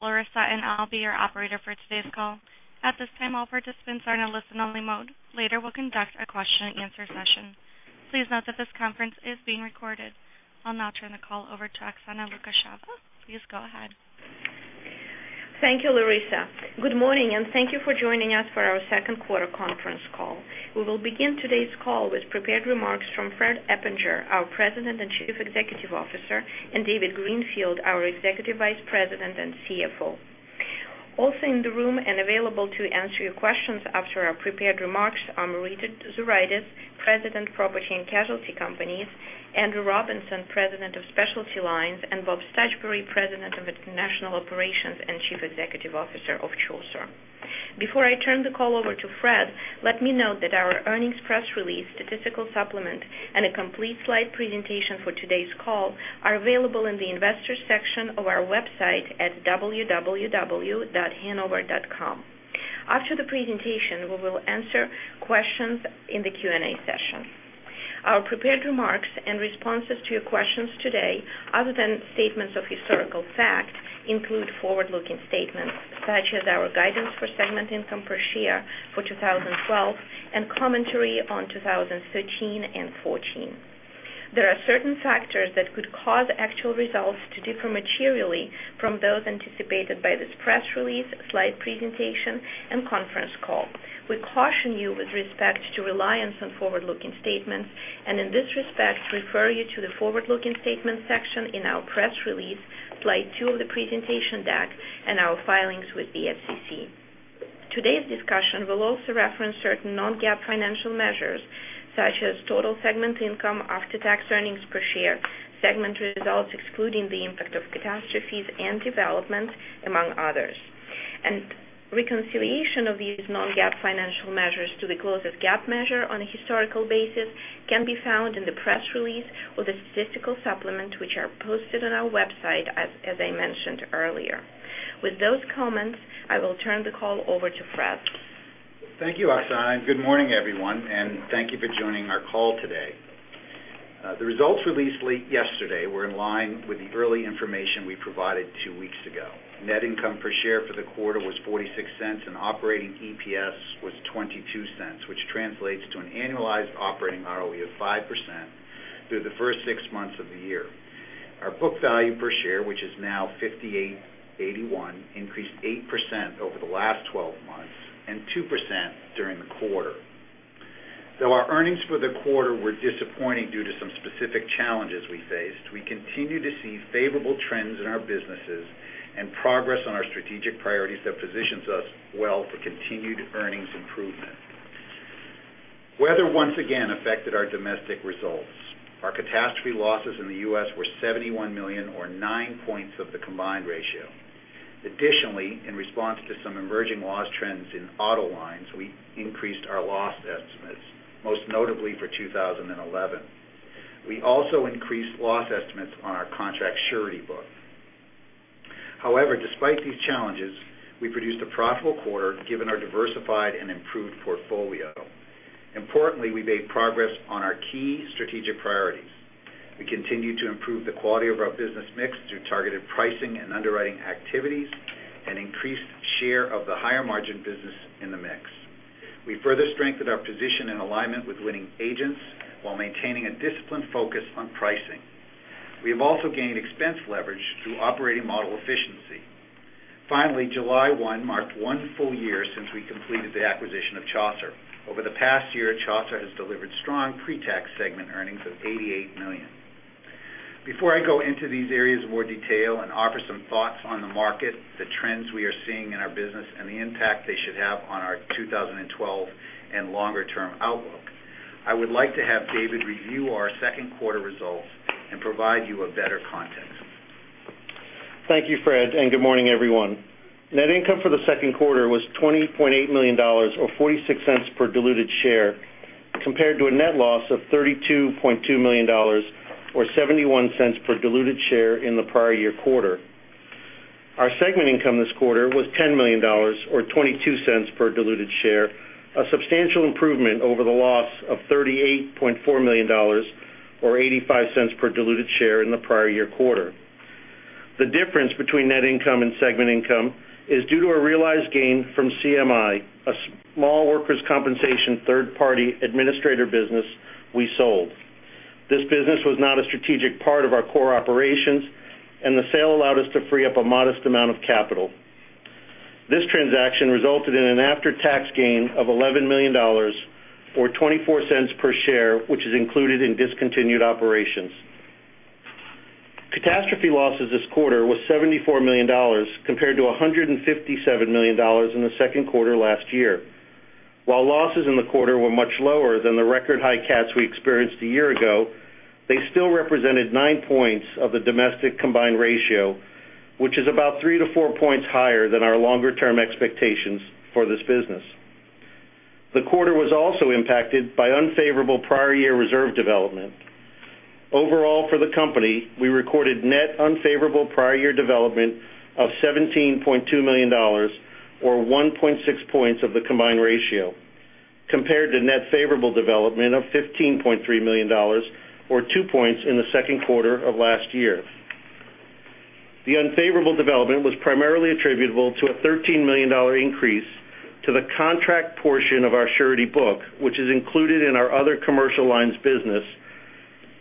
Larissa and I will be your operator for today's call. At this time, all participants are in a listen-only mode. Later, we'll conduct a question and answer session. Please note that this conference is being recorded. I'll now turn the call over to Oksana Lukasheva. Please go ahead. Thank you, Larissa. Good morning. Thank you for joining us for our second quarter conference call. We will begin today's call with prepared remarks from Fred Eppinger, our President and Chief Executive Officer, and David Greenfield, our Executive Vice President and CFO. Also in the room and available to answer your questions after our prepared remarks are Marita Zuraitis, President, Property and Casualty Companies, Andrew Robinson, President of Specialty Lines, and Bob Stachura, President of International Operations and Chief Executive Officer of Chaucer. Before I turn the call over to Fred, let me note that our earnings press release, statistical supplement, and a complete slide presentation for today's call are available in the investors section of our website at www.hanover.com. After the presentation, we will answer questions in the Q&A session. Our prepared remarks in responses to your questions today, other than statements of historical fact, include forward-looking statements such as our guidance for segment income per share for 2012 and commentary on 2013 and 2014. There are certain factors that could cause actual results to differ materially from those anticipated by this press release, slide two of the presentation deck, and our filings with the SEC. Today's discussion will also reference certain non-GAAP financial measures, such as total segment income, after-tax earnings per share, segment results excluding the impact of catastrophes and development, among others. Reconciliation of these non-GAAP financial measures to the closest GAAP measure on a historical basis can be found in the press release or the statistical supplement, which are posted on our website, as I mentioned earlier. With those comments, I will turn the call over to Fred. Thank you, Oksana, good morning, everyone, and thank you for joining our call today. The results released yesterday were in line with the early information we provided two weeks ago. Net income per share for the quarter was $0.46, and operating EPS was $0.22, which translates to an annualized operating ROE of 5% through the first six months of the year. Our book value per share, which is now $58.81, increased 8% over the last 12 months and 2% during the quarter. Though our earnings for the quarter were disappointing due to some specific challenges we faced, we continue to see favorable trends in our businesses and progress on our strategic priorities that positions us well for continued earnings improvement. Weather once again affected our domestic results. Our catastrophe losses in the U.S. were $71 million or nine points of the combined ratio. Additionally, in response to some emerging loss trends in auto lines, we increased our loss estimates, most notably for 2011. We also increased loss estimates on our contract surety book. However, despite these challenges, we produced a profitable quarter given our diversified and improved portfolio. Importantly, we made progress on our key strategic priorities. We continue to improve the quality of our business mix through targeted pricing and underwriting activities and increased share of the higher margin business in the mix. We further strengthened our position and alignment with winning agents while maintaining a disciplined focus on pricing. We have also gained expense leverage through operating model efficiency. Finally, July 1 marked one full year since we completed the acquisition of Chaucer. Over the past year, Chaucer has delivered strong pre-tax segment earnings of $88 million. Before I go into these areas in more detail and offer some thoughts on the market, the trends we are seeing in our business, and the impact they should have on our 2012 and longer-term outlook, I would like to have David review our second quarter results and provide you a better context. Thank you, Fred, good morning, everyone. Net income for the second quarter was $20.8 million or $0.46 per diluted share, compared to a net loss of $32.2 million or $0.71 per diluted share in the prior year quarter. Our segment income this quarter was $10 million or $0.22 per diluted share, a substantial improvement over the loss of $38.4 million or $0.85 per diluted share in the prior year quarter. The difference between net income and segment income is due to a realized gain from CMI, a small workers' compensation third-party administrator business we sold. This business was not a strategic part of our core operations, and the sale allowed us to free up a modest amount of capital. This transaction resulted in an after-tax gain of $11 million or $0.24 per share, which is included in discontinued operations. Catastrophe losses this quarter were $74 million compared to $157 million in the second quarter last year. While losses in the quarter were much lower than the record-high cats we experienced a year ago, they still represented nine points of the domestic combined ratio, which is about three to four points higher than our longer-term expectations for this business. The quarter was also impacted by unfavorable prior year reserve development. Overall for the company, we recorded net unfavorable prior year development of $17.2 million, or 1.6 points of the combined ratio. Compared to net favorable development of $15.3 million, or two points in the second quarter of last year. The unfavorable development was primarily attributable to a $13 million increase to the contract portion of our surety book, which is included in our other commercial lines business,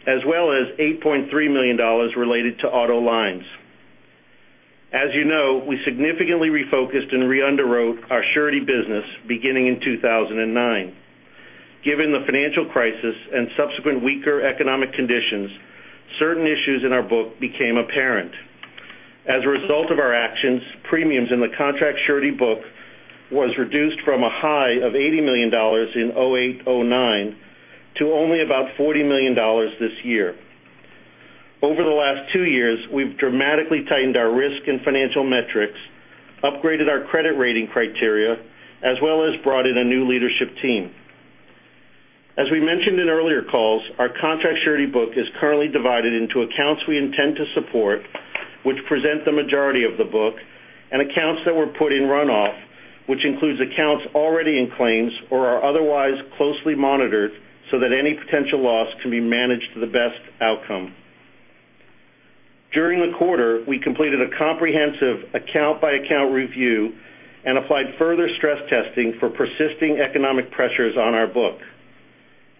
as well as $8.3 million related to auto lines. As you know, we significantly refocused and re-underwrote our surety business beginning in 2009. Given the financial crisis and subsequent weaker economic conditions, certain issues in our book became apparent. As a result of our actions, premiums in the contract surety book was reduced from a high of $80 million in 2008, 2009 to only about $40 million this year. Over the last two years, we've dramatically tightened our risk and financial metrics, upgraded our credit rating criteria, as well as brought in a new leadership team. As we mentioned in earlier calls, our contract surety book is currently divided into accounts we intend to support, which present the majority of the book, and accounts that were put in runoff, which includes accounts already in claims or are otherwise closely monitored so that any potential loss can be managed to the best outcome. During the quarter, we completed a comprehensive account-by-account review and applied further stress testing for persisting economic pressures on our book.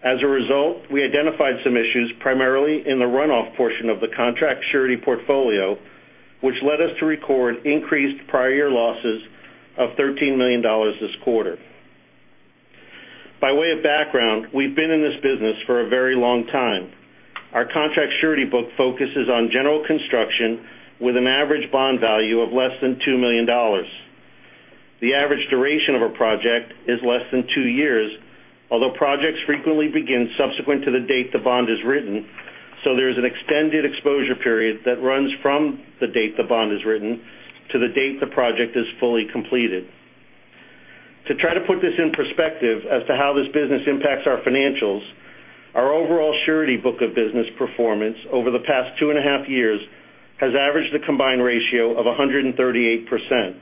As a result, we identified some issues, primarily in the runoff portion of the contract surety portfolio, which led us to record increased prior year losses of $13 million this quarter. By way of background, we've been in this business for a very long time. Our contract surety book focuses on general construction with an average bond value of less than $2 million. The average duration of a project is less than two years, although projects frequently begin subsequent to the date the bond is written, so there is an extended exposure period that runs from the date the bond is written to the date the project is fully completed. To try to put this in perspective as to how this business impacts our financials, our overall surety book of business performance over the past two and a half years has averaged a combined ratio of 138%.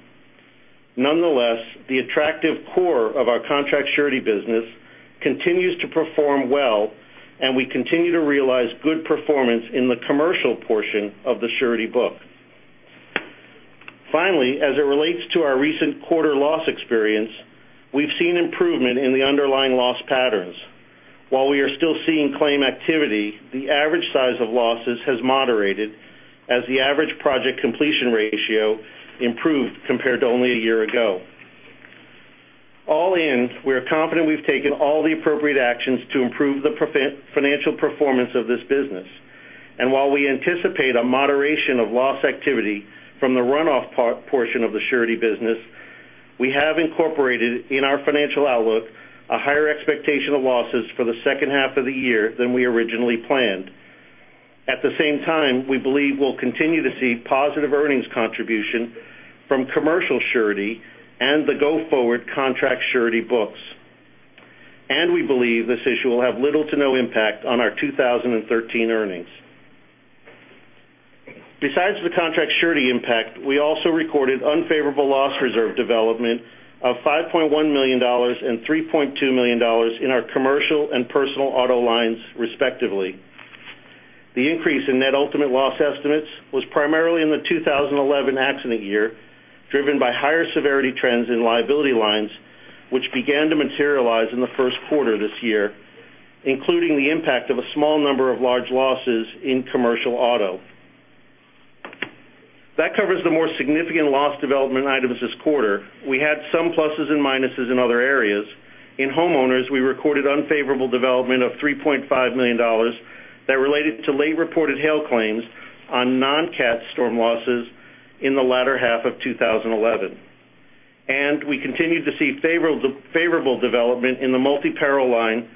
Nonetheless, the attractive core of our contract surety business continues to perform well, and we continue to realize good performance in the commercial portion of the surety book. Finally, as it relates to our recent quarter loss experience, we've seen improvement in the underlying loss patterns. While we are still seeing claim activity, the average size of losses has moderated as the average project completion ratio improved compared to only a year ago. All in, we are confident we've taken all the appropriate actions to improve the financial performance of this business. While we anticipate a moderation of loss activity from the runoff portion of the surety business, we have incorporated in our financial outlook a higher expectation of losses for the second half of the year than we originally planned. At the same time, we believe we'll continue to see positive earnings contribution from commercial surety and the go-forward contract surety books. We believe this issue will have little to no impact on our 2013 earnings. Besides the contract surety impact, we also recorded unfavorable loss reserve development of $5.1 million and $3.2 million in our commercial and personal auto lines, respectively. The increase in net ultimate loss estimates was primarily in the 2011 accident year, driven by higher severity trends in liability lines, which began to materialize in the first quarter this year, including the impact of a small number of large losses in commercial auto. That covers the more significant loss development items this quarter. We had some pluses and minuses in other areas. In homeowners, we recorded unfavorable development of $3.5 million that related to late-reported hail claims on non-cat storm losses in the latter half of 2011. We continued to see favorable development in the multi-peril line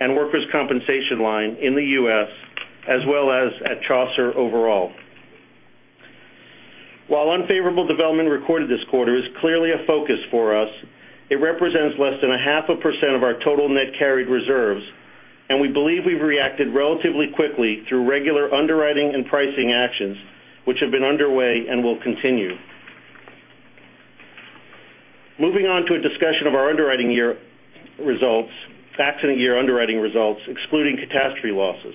and workers' compensation line in the U.S. as well as at Chaucer overall. While unfavorable development recorded this quarter is clearly a focus for us, it represents less than a half a percent of our total net carried reserves, and we believe we've reacted relatively quickly through regular underwriting and pricing actions, which have been underway and will continue. Moving on to a discussion of our accident year underwriting results, excluding catastrophe losses.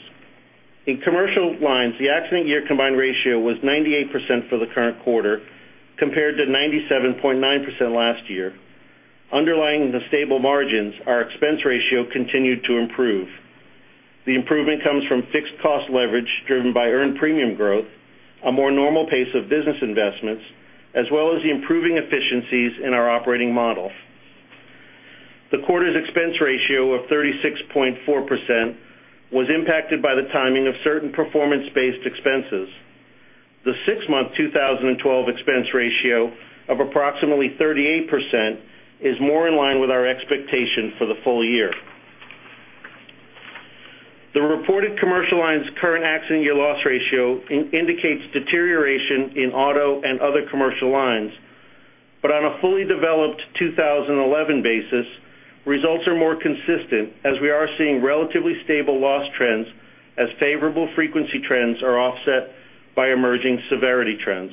In commercial lines, the accident year combined ratio was 98% for the current quarter, compared to 97.9% last year. Underlying the stable margins, our expense ratio continued to improve. The improvement comes from fixed cost leverage driven by earned premium growth, a more normal pace of business investments, as well as the improving efficiencies in our operating model. The quarter's expense ratio of 36.4% was impacted by the timing of certain performance-based expenses. The six-month 2012 expense ratio of approximately 38% is more in line with our expectation for the full year. The reported commercial lines current accident year loss ratio indicates deterioration in auto and other commercial lines. On a fully developed 2011 basis, results are more consistent as we are seeing relatively stable loss trends as favorable frequency trends are offset by emerging severity trends.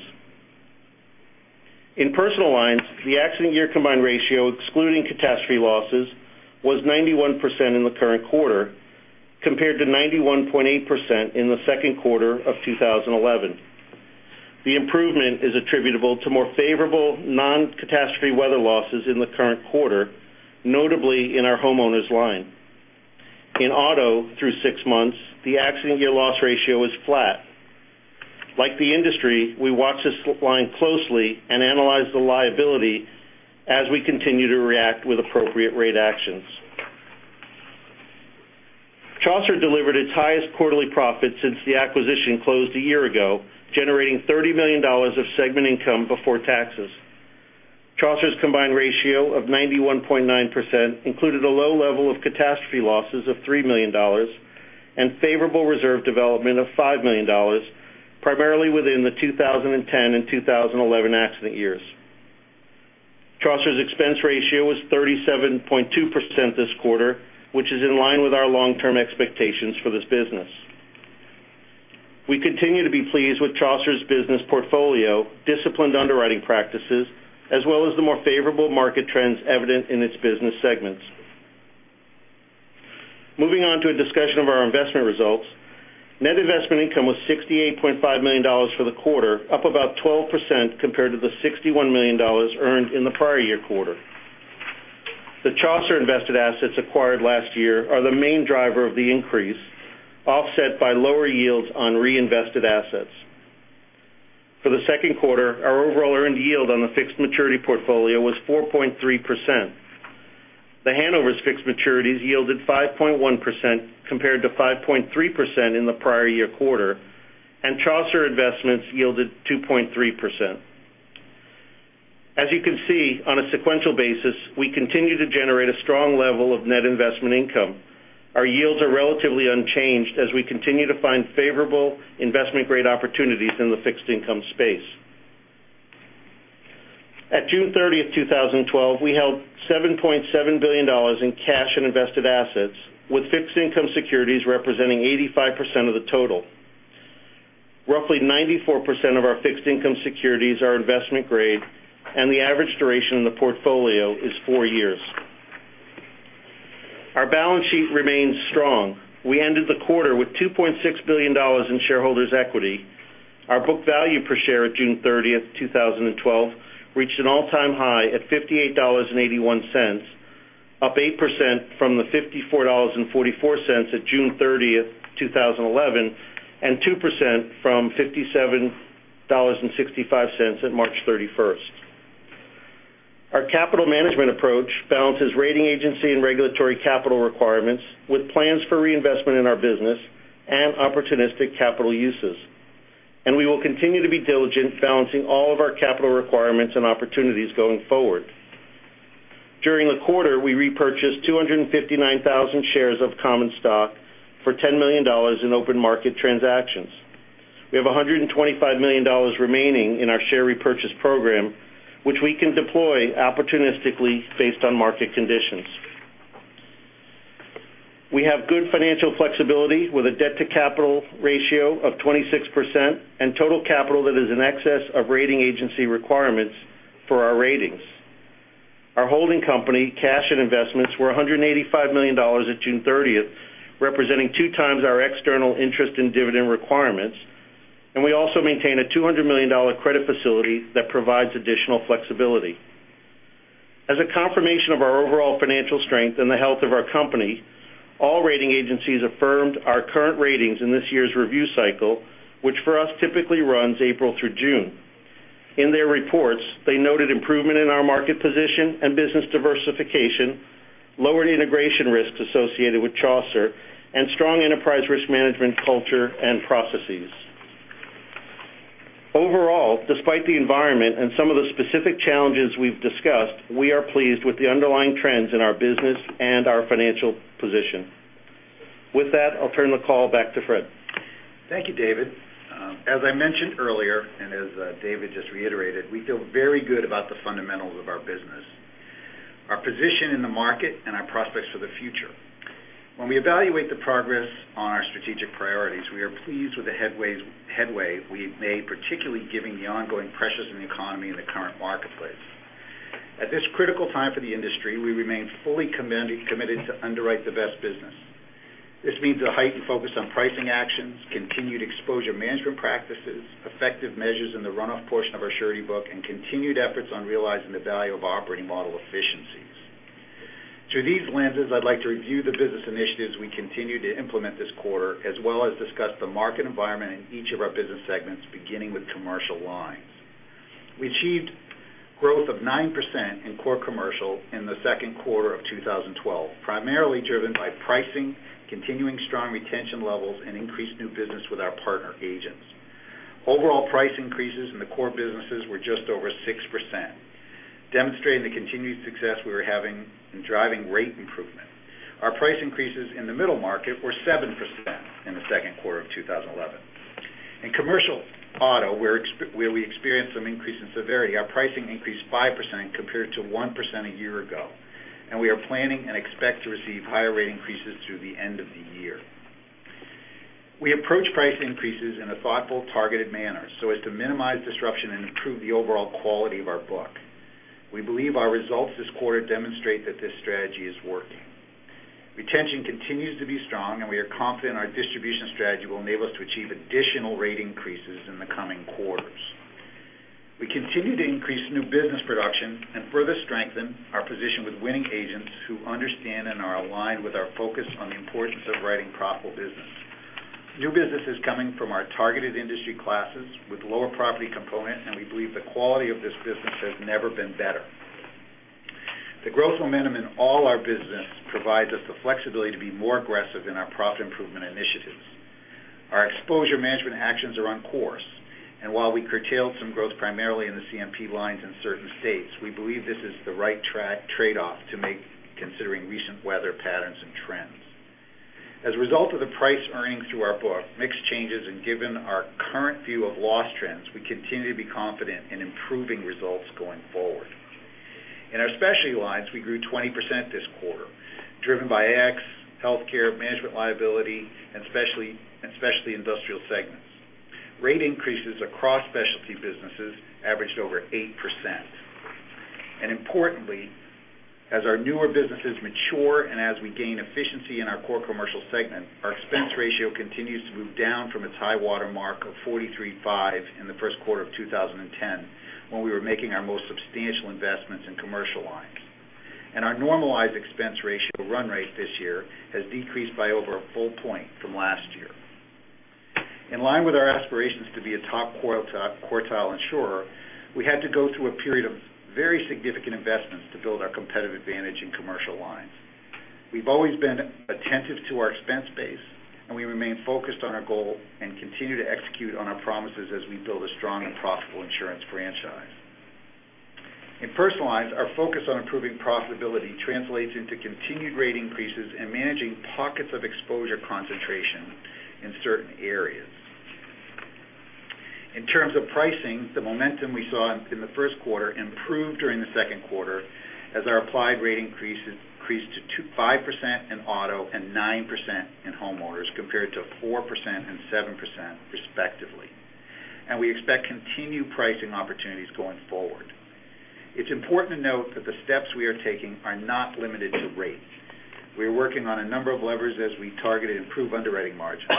In personal lines, the accident year combined ratio, excluding catastrophe losses, was 91% in the current quarter, compared to 91.8% in the second quarter of 2011. The improvement is attributable to more favorable non-catastrophe weather losses in the current quarter, notably in our homeowners line. In auto, through six months, the accident year loss ratio is flat. Like the industry, we watch this line closely and analyze the liability as we continue to react with appropriate rate actions. Chaucer delivered its highest quarterly profit since the acquisition closed a year ago, generating $30 million of segment income before taxes. Chaucer's combined ratio of 91.9% included a low level of catastrophe losses of $3 million and favorable reserve development of $5 million, primarily within the 2010 and 2011 accident years. Chaucer's expense ratio was 37.2% this quarter, which is in line with our long-term expectations for this business. We continue to be pleased with Chaucer's business portfolio, disciplined underwriting practices, as well as the more favorable market trends evident in its business segments. Moving on to a discussion of our investment results. Net investment income was $68.5 million for the quarter, up about 12% compared to the $61 million earned in the prior year quarter. The Chaucer invested assets acquired last year are the main driver of the increase, offset by lower yields on reinvested assets. For the second quarter, our overall earned yield on the fixed maturity portfolio was 4.3%. The Hanover's fixed maturities yielded 5.1% compared to 5.3% in the prior year quarter, and Chaucer investments yielded 2.3%. As you can see, on a sequential basis, we continue to generate a strong level of net investment income. Our yields are relatively unchanged as we continue to find favorable investment grade opportunities in the fixed income space. At June 30th, 2012, we held $7.7 billion in cash and invested assets, with fixed income securities representing 85% of the total. Roughly 94% of our fixed income securities are investment grade, and the average duration in the portfolio is four years. Our balance sheet remains strong. We ended the quarter with $2.6 billion in shareholders' equity. Our book value per share at June 30th, 2012, reached an all-time high at $58.81, up 8% from the $54.44 at June 30th, 2011, and 2% from $57.65 at March 31st. Our capital management approach balances rating agency and regulatory capital requirements with plans for reinvestment in our business and opportunistic capital uses. We will continue to be diligent balancing all of our capital requirements and opportunities going forward. During the quarter, we repurchased 259,000 shares of common stock for $10 million in open market transactions. We have $125 million remaining in our share repurchase program, which we can deploy opportunistically based on market conditions. We have good financial flexibility with a debt to capital ratio of 26% and total capital that is in excess of rating agency requirements for our ratings. Our holding company cash and investments were $185 million at June 30th, representing two times our external interest and dividend requirements. We also maintain a $200 million credit facility that provides additional flexibility. As a confirmation of our overall financial strength and the health of our company, all rating agencies affirmed our current ratings in this year's review cycle, which for us typically runs April through June. In their reports, they noted improvement in our market position and business diversification, lowered integration risks associated with Chaucer, and strong enterprise risk management culture and processes. Overall, despite the environment and some of the specific challenges we've discussed, we are pleased with the underlying trends in our business and our financial position. With that, I'll turn the call back to Fred. Thank you, David. As I mentioned earlier, and as David just reiterated, we feel very good about the fundamentals of our business, our position in the market, and our prospects for the future. When we evaluate the progress on our strategic priorities, we are pleased with the headway we've made, particularly given the ongoing pressures in the economy and the current marketplace. At this critical time for the industry, we remain fully committed to underwrite the best business. This means a heightened focus on pricing actions, continued exposure management practices, effective measures in the runoff portion of our surety book, and continued efforts on realizing the value of operating model efficiencies. Through these lenses, I'd like to review the business initiatives we continue to implement this quarter, as well as discuss the market environment in each of our business segments, beginning with Commercial Lines. We achieved growth of 9% in core commercial in the second quarter of 2012, primarily driven by pricing, continuing strong retention levels, and increased new business with our partner agents. Overall price increases in the core businesses were just over 6%, demonstrating the continued success we were having in driving rate improvement. Our price increases in the middle market were 7% in the second quarter of 2011. In commercial auto, where we experienced some increase in severity, our pricing increased 5% compared to 1% a year ago. We are planning and expect to receive higher rate increases through the end of the year. We approach price increases in a thoughtful, targeted manner, so as to minimize disruption and improve the overall quality of our book. We believe our results this quarter demonstrate that this strategy is working. Retention continues to be strong. We are confident our distribution strategy will enable us to achieve additional rate increases in the coming quarters. We continue to increase new business production and further strengthen our position with winning agents who understand and are aligned with our focus on the importance of writing profitable business. New business is coming from our targeted industry classes with lower property component, and we believe the quality of this business has never been better. The growth momentum in all our business provides us the flexibility to be more aggressive in our profit improvement initiatives. Our exposure management actions are on course, and while we curtailed some growth primarily in the CMP lines in certain states, we believe this is the right trade-off to make considering recent weather patterns and trends. As a result of the price earnings through our book, mix changes, and given our current view of loss trends, we continue to be confident in improving results going forward. In our specialty lines, we grew 20% this quarter, driven by ex-healthcare, management liability, and especially industrial segments. Rate increases across specialty businesses averaged over 8%. Importantly, as our newer businesses mature and as we gain efficiency in our core commercial segment, our expense ratio continues to move down from its high water mark of 43.5 in the first quarter of 2010, when we were making our most substantial investments in commercial lines. Our normalized expense ratio run rate this year has decreased by over a full point from last year. In line with our aspirations to be a top quartile insurer, we had to go through a period of very significant investments to build our competitive advantage in commercial lines. We've always been attentive to our expense base, and we remain focused on our goal and continue to execute on our promises as we build a strong and profitable insurance franchise. In personal lines, our focus on improving profitability translates into continued rate increases and managing pockets of exposure concentration in certain areas. In terms of pricing, the momentum we saw in the first quarter improved during the second quarter as our applied rate increased to 5% in auto and 9% in homeowners, compared to 4% and 7% respectively. We expect continued pricing opportunities going forward. It's important to note that the steps we are taking are not limited to rate. We are working on a number of levers as we target improved underwriting margins.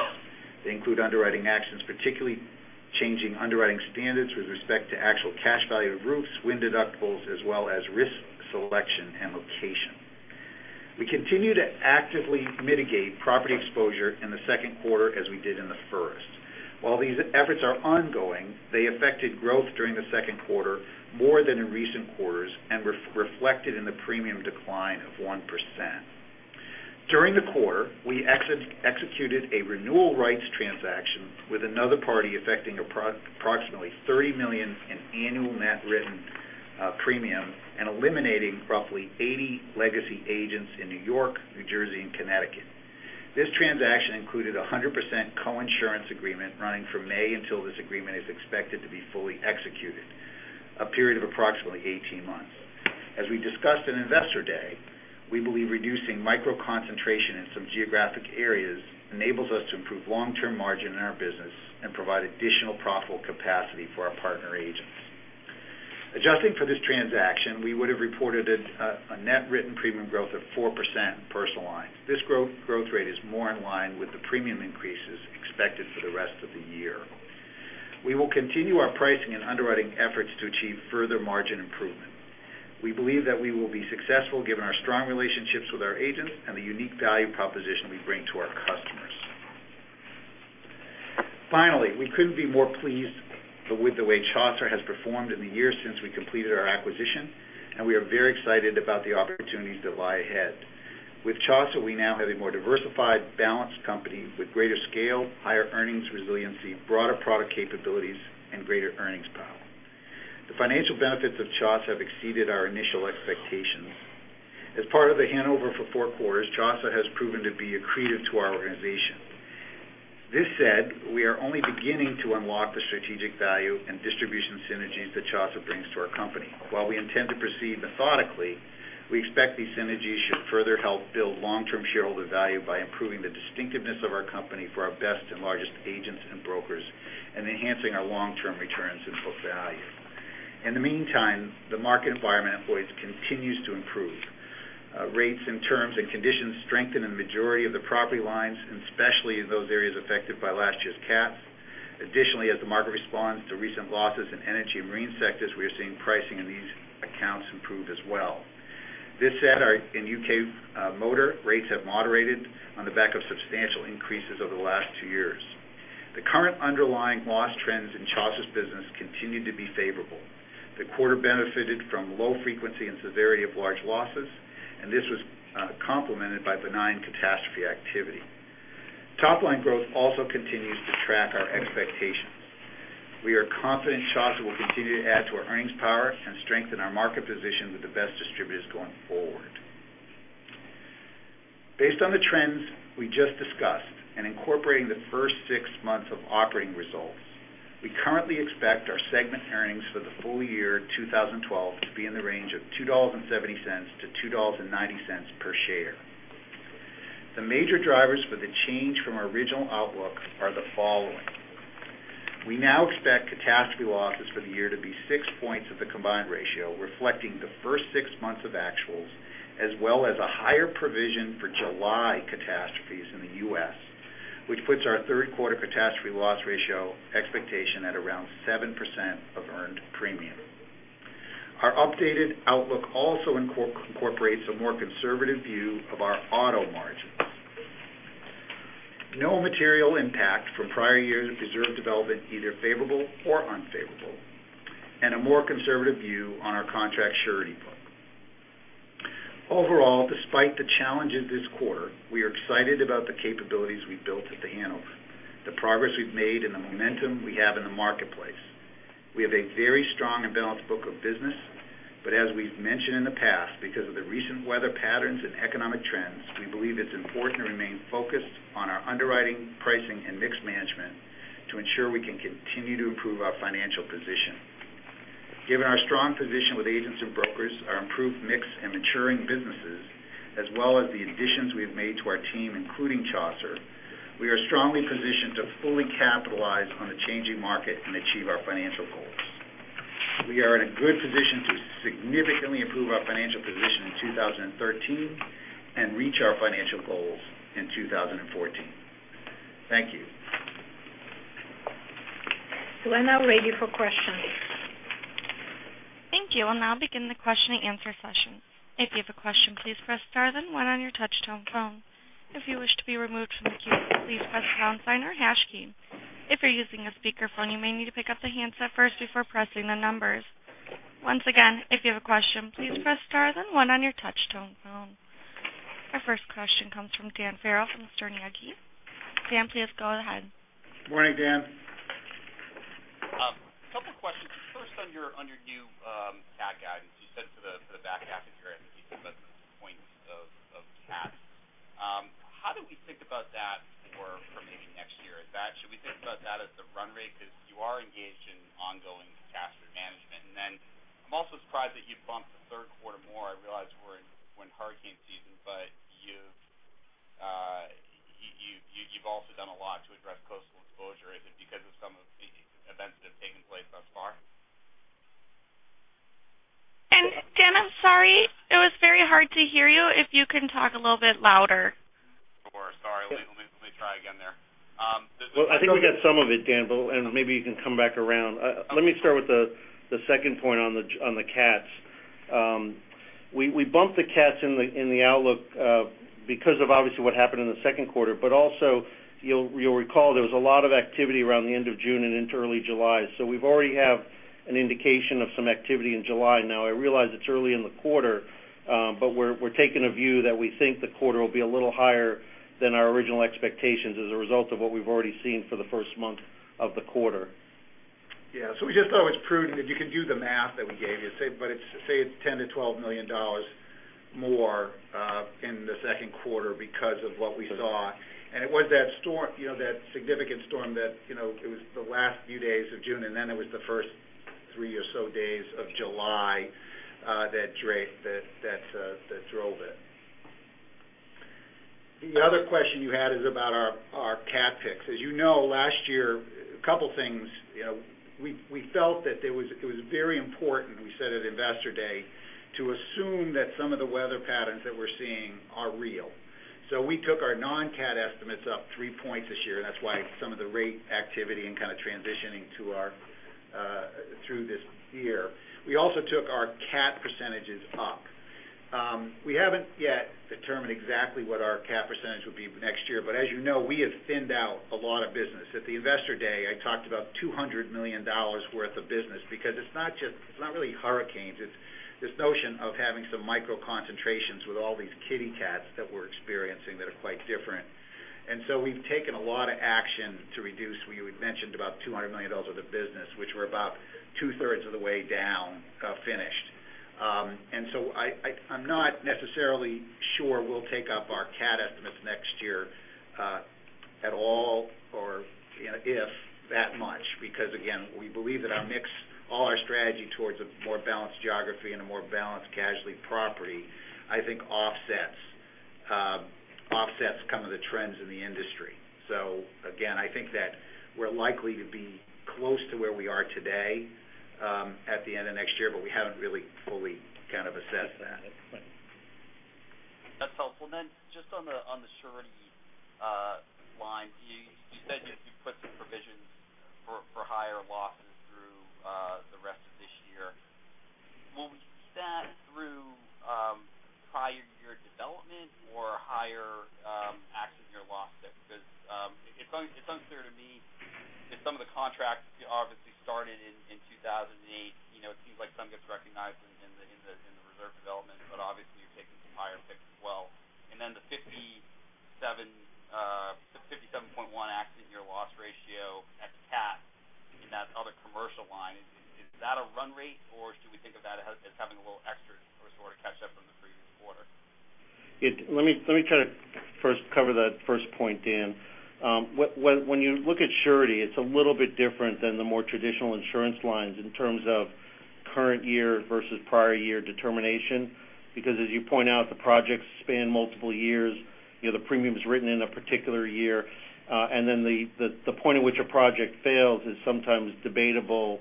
They include underwriting actions, particularly changing underwriting standards with respect to actual cash value of roofs, wind deductibles, as well as risk selection and location. We continue to actively mitigate property exposure in the second quarter as we did in the first. While these efforts are ongoing, they affected growth during the second quarter more than in recent quarters and reflected in the premium decline of 1%. During the quarter, we executed a renewal rights transaction with another party affecting approximately $30 million in annual net written premium and eliminating roughly 80 legacy agents in New York, New Jersey, and Connecticut. This transaction included a 100% coinsurance agreement running from May until this agreement is expected to be fully executed, a period of approximately 18 months. As we discussed in Investor Day, we believe reducing micro-concentration in some geographic areas enables us to improve long-term margin in our business and provide additional profitable capacity for our partner agents. Adjusting for this transaction, we would have reported a net written premium growth of 4% in personal lines. This growth rate is more in line with the premium increases expected for the rest of the year. We will continue our pricing and underwriting efforts to achieve further margin improvement. We believe that we will be successful given our strong relationships with our agents and the unique value proposition we bring to our customers. Finally, we couldn't be more pleased with the way Chaucer has performed in the years since we completed our acquisition, and we are very excited about the opportunities that lie ahead. With Chaucer, we now have a more diversified, balanced company with greater scale, higher earnings resiliency, broader product capabilities, and greater earnings power. The financial benefits of Chaucer have exceeded our initial expectations. As part of the handover for four quarters, Chaucer has proven to be accretive to our organization. This said, we are only beginning to unlock the strategic value and distribution synergies that Chaucer brings to our company. While we intend to proceed methodically, we expect these synergies should further help build long-term shareholder value by improving the distinctiveness of our company for our best and largest agents and brokers and enhancing our long-term returns and book value. In the meantime, the market environment for us continues to improve. Rates and terms and conditions strengthen in the majority of the property lines, and especially in those areas affected by last year's cat. Additionally, as the market responds to recent losses in energy and marine sectors, we are seeing pricing in these accounts improve as well. This said, in UK Motor, rates have moderated on the back of substantial increases over the last two years. The current underlying loss trends in Chaucer's business continue to be favorable. The quarter benefited from low frequency and severity of large losses, and this was complemented by benign catastrophe activity. Top-line growth also continues to track our expectations. We are confident Chaucer will continue to add to our earnings power and strengthen our market position with the best distributors going forward. Based on the trends we just discussed and incorporating the first six months of operating results, we currently expect our segment earnings for the full year 2012 to be in the range of $2.70-$2.90 per share. The major drivers for the change from our original outlook are the following. We now expect catastrophe losses for the year to be six points of the combined ratio, reflecting the first six months of actuals, as well as a higher provision for July catastrophes in the U.S., which puts our third quarter catastrophe loss ratio expectation at around 7% of earned premium. Our updated outlook also incorporates a more conservative view of our auto margins. No material impact from prior years of reserve development, either favorable or unfavorable, and a more conservative view on our contract surety book. Overall, despite the challenges this quarter, we are excited about the capabilities we've built at The Hanover, the progress we've made, and the momentum we have in the marketplace. We have a very strong and balanced book of business. As we've mentioned in the past, because of the recent weather patterns and economic trends, we believe it's important to remain focused on our underwriting, pricing, and mix management to ensure we can continue to improve our financial position. Given our strong position with agents and brokers, our improved mix and maturing businesses, as well as the additions we have made to our team, including Chaucer, we are strongly positioned to fully capitalize on the changing market and achieve our financial goals. We are in a good position to significantly improve our financial position in 2013 and reach our financial goals in 2014. Thank you. We are now ready for questions. Thank you. We'll now begin the question-and-answer session. If you have a question, please press star then one on your touch-tone phone. If you wish to be removed from the queue, please press the pound sign or hash key. If you're using a speakerphone, you may need to pick up the handset first before pressing the numbers. Once again, if you have a question, please press star then one on your touch-tone phone. Our first question comes from Dan Farrell from Stifel Nicolaus. Dan, please go ahead. Morning, Dan. A couple questions. First, on your new cat guidance, you said to the back half of the year, I think you said it was points of cats. How do we think about that for maybe next year? Should we think about that as the run rate? Because you are engaged in ongoing catastrophe management. I'm also surprised that you bumped the third quarter more. I realize we're in hurricane season, but you've also done a lot to address coastal exposure. Is it because of some of the events that have taken place thus far? Dan, I'm sorry. It was very hard to hear you. If you can talk a little bit louder. Sure. Sorry. Let me try again there. I think we got some of it, Dan. Maybe you can come back around. Let me start with the second point on the cats. We bumped the cats in the outlook because of obviously what happened in the second quarter. Also, you will recall there was a lot of activity around the end of June and into early July. We already have an indication of some activity in July. I realize it is early in the quarter. We are taking a view that we think the quarter will be a little higher than our original expectations as a result of what we have already seen for the first month of the quarter. We just thought it was prudent. You can do the math that we gave you. Say it is $10 million-$12 million more in the second quarter because of what we saw. It was that significant storm that it was the last few days of June. It was the first three or so days of July that drove it. The other question you had is about our cat picks. As you know, last year, a couple of things. We felt that it was very important, we said at Investor Day, to assume that some of the weather patterns that we are seeing are real. We took our non-cat estimates up three points this year. That is why some of the rate activity and kind of transitioning through this year. We also took our cat percentages up. We have not yet determined exactly what our cat percentage would be next year. As you know, we have thinned out a lot of business. At the Investor Day, I talked about $200 million worth of business because it is not really hurricanes. It is this notion of having some micro concentrations with all these kitty cats that we are experiencing that are quite different. We have taken a lot of action to reduce. We mentioned about $200 million of the business, which we are about two-thirds of the way down, finished. I am not necessarily sure we will take up our cat estimates next year at all or if that much, because again, we believe that our mix, all our strategy towards a more balanced geography and a more balanced casualty property, I think offsets some of the trends in the industry. Again, I think that we are likely to be close to where we are today at the end of next year. We have not really fully kind of assessed that. That is helpful. Just on the surety line, you said you put some provisions for higher losses through the rest of this year. Will we see that through prior year development or higher accident year loss pick? It is unclear to me if some of the contracts obviously started in 2008. It seems like some gets recognized in the reserve development. Obviously, you are taking some higher picks as well. The 57.1 accident year loss ratio ex cat in that other commercial line, is that a run rate, or should we think of that as having a little extra or sort of catch up from the previous quarter? Let me try to first cover that first point, Dan. When you look at surety, it's a little bit different than the more traditional insurance lines in terms of current year versus prior year determination, because as you point out, the projects span multiple years, the premium is written in a particular year, and then the point at which a project fails is sometimes debatable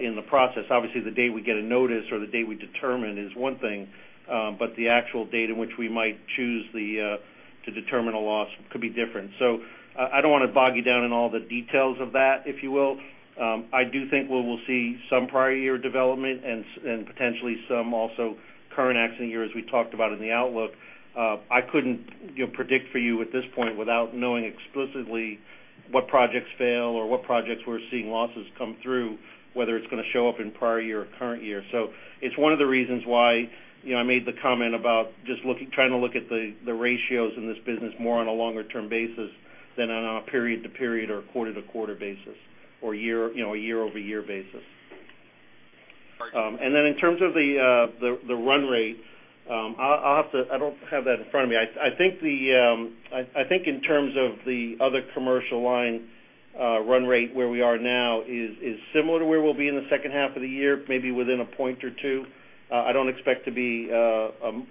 in the process. Obviously, the date we get a notice or the date we determine is one thing, but the actual date in which we might choose to determine a loss could be different. I don't want to bog you down in all the details of that, if you will. I do think we will see some prior year development and potentially some also current accident year, as we talked about in the outlook. I couldn't predict for you at this point without knowing explicitly what projects fail or what projects we're seeing losses come through, whether it's going to show up in prior year or current year. It's one of the reasons why I made the comment about just trying to look at the ratios in this business more on a longer term basis than on a period to period or a quarter-over-quarter basis, or a year-over-year basis. All right. In terms of the run rate, I don't have that in front of me. I think in terms of the other commercial line run rate, where we are now is similar to where we'll be in the second half of the year, maybe within a point or two. I don't expect to be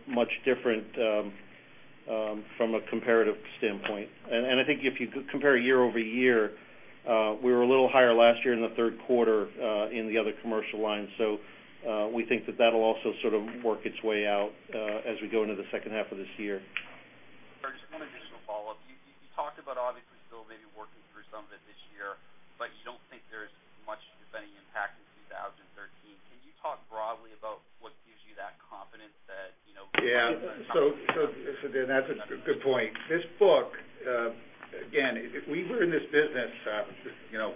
much different from a comparative standpoint. I think if you compare year-over-year, we were a little higher last year in the third quarter in the other commercial lines. We think that that'll also sort of work its way out as we go into the second half of this year. All right. Just one additional follow-up. You talked about obviously still maybe working through some of it this year, but you don't think there's much of any impact in 2013. Can you talk broadly about what gives you that confidence that- Yeah. Dan, that's a good point. This book, again, we were in this business, The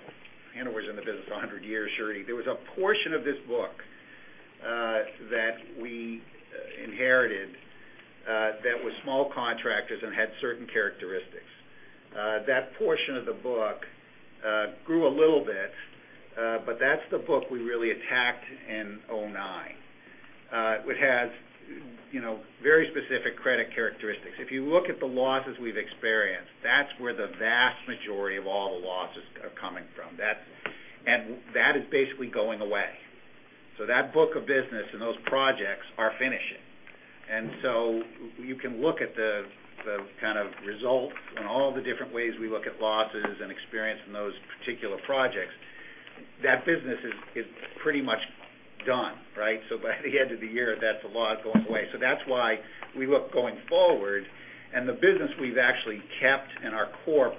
Hanover's in the business for 100 years, surety. There was a portion of this book that we inherited that was small contractors and had certain characteristics. That portion of the book grew a little bit but that's the book we really attacked in 2009. It has very specific credit characteristics. If you look at the losses we've experienced, that's where the vast majority of all the losses are coming from. That is basically going away. That book of business and those projects are finishing. You can look at the kind of result and all the different ways we look at losses and experience from those particular projects. That business is pretty much done, right? By the end of the year, that's a lot going away. That's why we look going forward, and the business we've actually kept in our core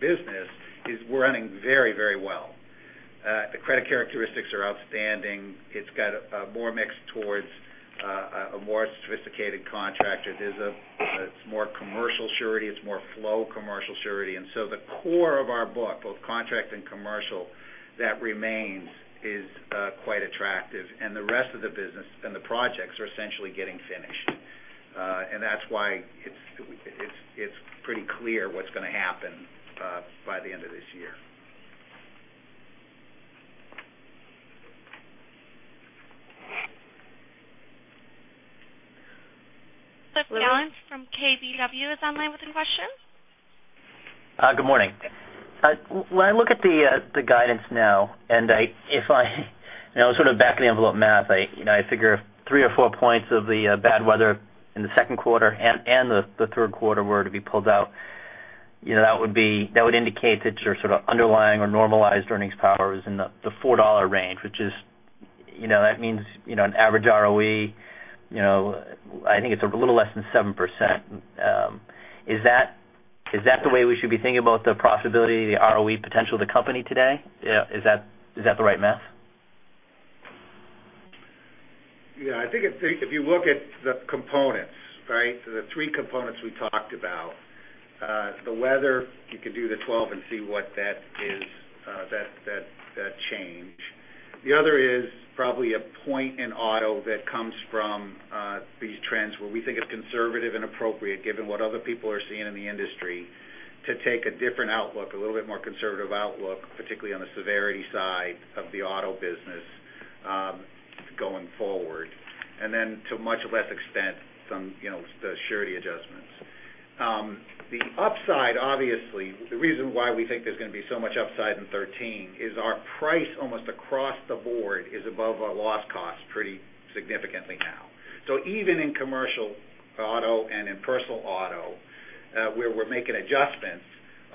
business is running very well. The credit characteristics are outstanding. It's got more mix towards a more sophisticated contractor. It's more commercial surety, it's more flow commercial surety. The core of our book, both contract and commercial, that remains, is quite attractive, and the rest of the business and the projects are essentially getting finished. That's why it's pretty clear what's going to happen by the end of this year. Chris Gallant from KBW is online with a question. Good morning. Sort of back of the envelope math, I figure if three or four points of the bad weather in the second quarter and the third quarter were to be pulled out, that would indicate that your sort of underlying or normalized earnings power is in the $4 range, which means an average ROE, I think it's a little less than 7%. Is that the way we should be thinking about the profitability, the ROE potential of the company today? Is that the right math? Yeah, I think if you look at the components, right? The three components we talked about. The weather, you could do the 12 and see what that change. The other is probably a point in auto that comes from these trends, where we think it's conservative and appropriate, given what other people are seeing in the industry to take a different outlook, a little bit more conservative outlook, particularly on the severity side of the auto business going forward. To much less extent, the surety adjustments. The upside, obviously, the reason why we think there's going to be so much upside in 2013 is our price almost across the board is above our loss cost pretty significantly now. Even in commercial auto and in personal auto, where we're making adjustments,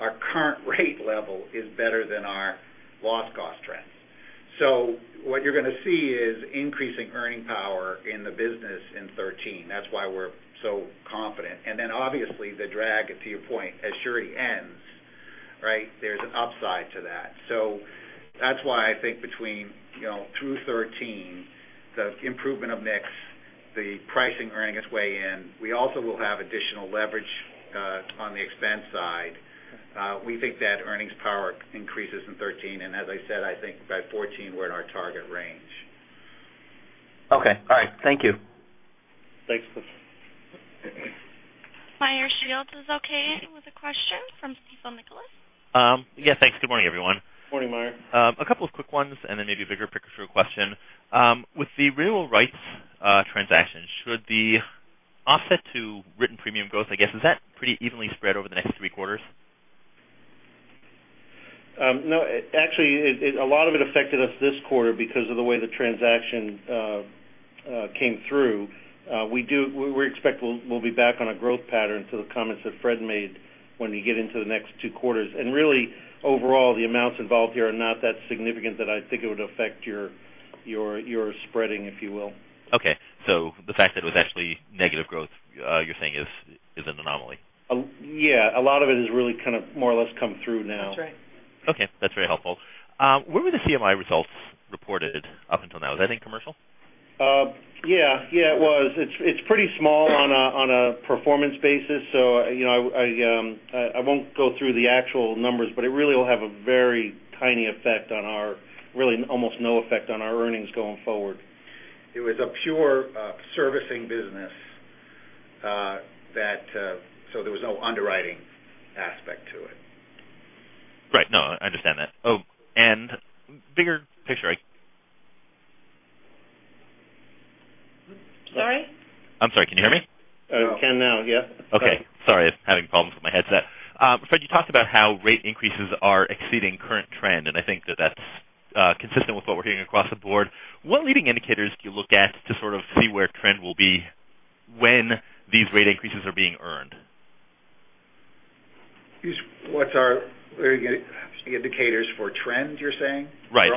our current rate level is better than our loss cost trends. What you're going to see is increasing earning power in the business in 2013. That's why we're so confident. Obviously the drag, to your point, as surety ends, there's an upside to that. That's why I think between through 2013, the improvement of mix, the pricing earning its way in. We also will have additional leverage on the expense side. We think that earnings power increases in 2013, and as I said, I think by 2014, we're in our target range. Okay. All right. Thank you. Thanks, Chris. Meyer Shields is okay with a question from Stifel Nicolaus. Yeah, thanks. Good morning, everyone. Morning, Meyer. A couple of quick ones, then maybe a bigger picture question. With the renewal rights transaction, should the offset to written premium growth, I guess, is that pretty evenly spread over the next three quarters? No, actually, a lot of it affected us this quarter because of the way the transaction came through. We expect we'll be back on a growth pattern, to the comments that Fred made, when we get into the next two quarters. Really, overall, the amounts involved here are not that significant that I think it would affect your spreading, if you will. Okay. The fact that it was actually negative growth, you're saying is an anomaly. Yeah. A lot of it has really more or less come through now. That's right. Okay. That's very helpful. Where were the CMI results reported up until now? Is that in commercial? Yeah. It was. It's pretty small on a performance basis, so I won't go through the actual numbers, but it really will have a very tiny effect on our, really almost no effect on our earnings going forward. It was a pure servicing business, so there was no underwriting aspect to it. Right. No, I understand that. bigger picture- Sorry? I'm sorry. Can you hear me? We can now, yeah. Okay. Sorry. Having problems with my headset. Fred, you talked about how rate increases are exceeding current trend, and I think that's consistent with what we're hearing across the board. What leading indicators do you look at to sort of see where trend will be when these rate increases are being earned? What's our indicators for trend, you're saying? Right.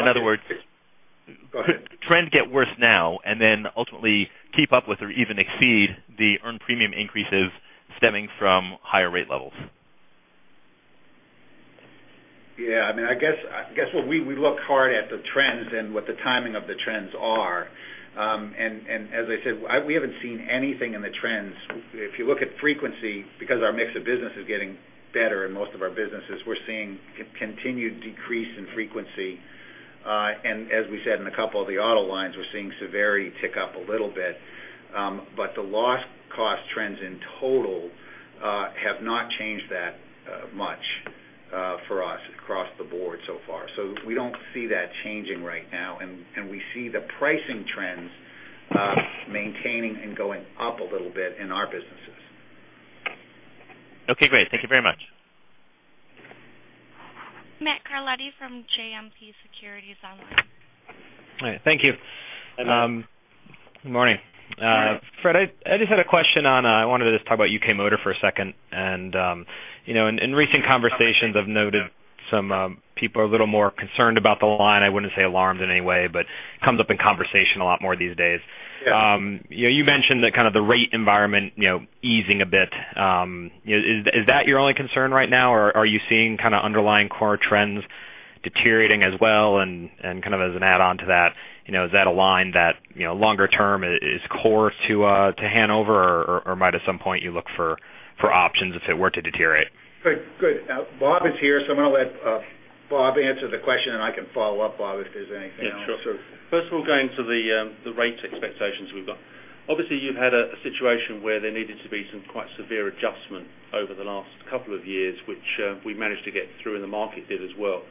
Go ahead. Could trend get worse now and then ultimately keep up with or even exceed the earned premium increases stemming from higher rate levels? Yeah. I guess we look hard at the trends and what the timing of the trends are. As I said, we haven't seen anything in the trends. If you look at frequency, because our mix of business is getting better in most of our businesses, we're seeing continued decrease in frequency. As we said in a couple of the auto lines, we're seeing severity tick up a little bit. The loss cost trends, in total, have not changed that much for us across the board so far. We don't see that changing right now. We see the pricing trends maintaining and going up a little bit in our businesses. Okay, great. Thank you very much. Matthew Carletti from JMP Securities Online. Thank you. Matt. Good morning. Morning. Fred, I just had a question on. I wanted to just talk about UK Motor for a second. In recent conversations, I've noted some people are a little more concerned about the line. I wouldn't say alarmed in any way, but it comes up in conversation a lot more these days. Yeah. You mentioned the kind of the rate environment easing a bit. Is that your only concern right now, or are you seeing kind of underlying core trends deteriorating as well? As an add-on to that, is that a line that longer term is core to Hanover or might at some point you look for options if it were to deteriorate? Good. Bob is here, I'm going to let Bob answer the question, and I can follow up, Bob, if there's anything else. Yeah, sure. First of all, going to the rate expectations we've got. Obviously, you've had a situation where there needed to be some quite severe adjustment over the last couple of years, which we managed to get through and the market did as well.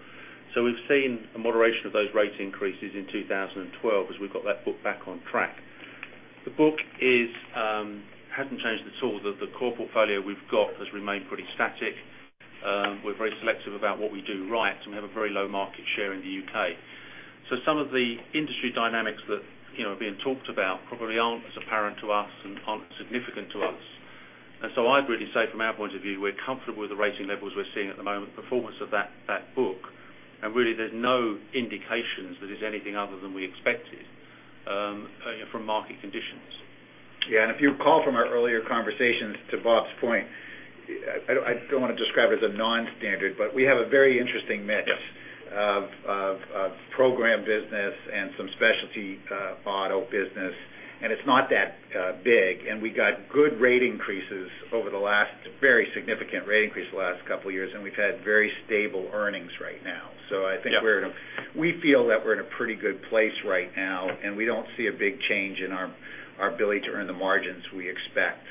We've seen a moderation of those rate increases in 2012 as we got that book back on track. The book hadn't changed at all. The core portfolio we've got has remained pretty static. We're very selective about what we do right, and we have a very low market share in the U.K. Some of the industry dynamics that are being talked about probably aren't as apparent to us and aren't significant to us. I'd really say from our point of view, we're comfortable with the rating levels we're seeing at the moment, performance of that book. Really, there's no indications that it's anything other than we expected from market conditions. Yeah. If you recall from our earlier conversations, to Bob's point, I don't want to describe it as a non-standard, but we have a very interesting mix- Yes of program business and some specialty auto business, it's not that big. We got good rate increases, very significant rate increase the last couple of years, we've had very stable earnings right now. I think we're- Yeah. We feel that we're in a pretty good place right now, we don't see a big change in our ability to earn the margins we expect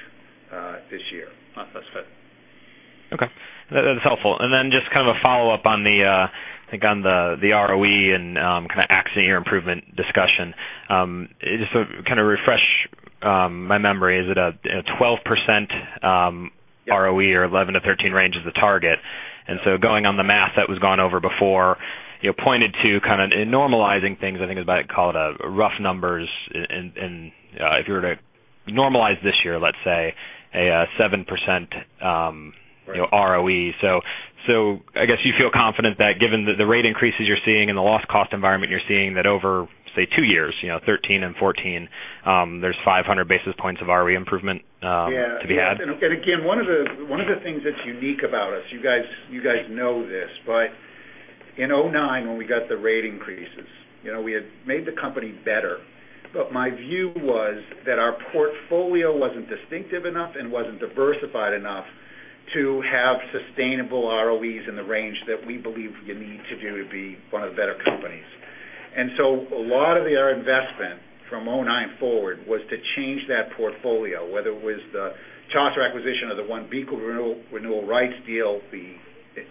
this year. That's good. Okay. That's helpful. Then just kind of a follow-up on the ROE and kind of accident year improvement discussion. Just to kind of refresh my memory, is it a 12%- Yeah ROE or 11-13 range is the target? Going on the math that was gone over before, pointed to kind of normalizing things, I think is what I'd call it, rough numbers if you were to normalize this year, let's say, a 7%- Right ROE. I guess you feel confident that given the rate increases you're seeing and the loss cost environment you're seeing, that over, say, two years, 2013 and 2014, there's 500 basis points of ROE improvement to be had? Yeah. Again, one of the things that's unique about us, you guys know this, but in 2009, when we got the rate increases, we had made the company better. My view was that our portfolio wasn't distinctive enough and wasn't diversified enough to have sustainable ROEs in the range that we believe we need to do to be one of the better companies. A lot of our investment from 2009 forward was to change that portfolio, whether it was the Chaucer acquisition or the OneBeacon renewal rights deal,